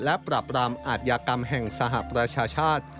และปรับรามอาทยากรรมแห่งสหประชาชาติ